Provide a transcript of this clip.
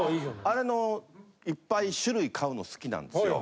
あれのいっぱい種類買うの好きなんですよ。